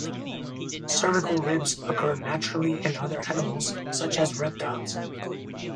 Cervical ribs occur naturally in other animals such as reptiles.